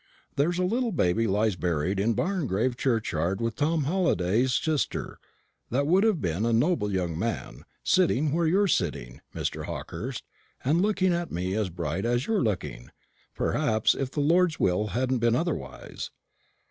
There's a little baby lies buried in Barngrave churchyard with Tom Halliday's sister that would have been a noble young man, sitting where you're sitting, Mr. Hawkehurst, and looking at me as bright as you're looking, perhaps, if the Lord's will hadn't been otherwise.